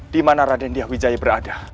dimana raden diyahwijaya berada